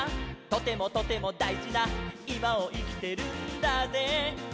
「とてもとてもだいじないまをいきてるんだぜ」